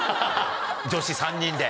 女子３人で。